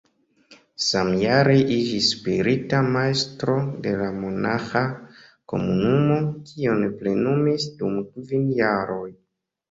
Samjare iĝis spirita majstro de la monaĥa komunumo, kion plenumis dum kvin jaroj.